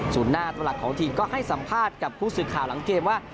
ส่วนหน้าตัวหลักของทีมก็ให้สัมภาษณ์กับผู้สื่อข่าวหลังเกมว่า